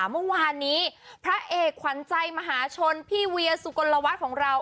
เมื่อวานนี้พระเอกขวัญใจมหาชนพี่เวียสุกลวัฒน์ของเรา